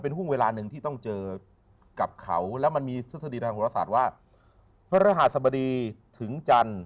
เป็นหุ้มเวลาหนึ่งที่ต้องเจอกับเขาแล้วมันมีศาสิริทางผมอาจารย์ว่าพระอาสบดีถึงจันทร์